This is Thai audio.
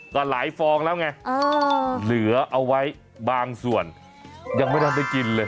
ก็หลายฟองแล้วไงเหลือเอาไว้บางส่วนยังไม่ได้กินเลย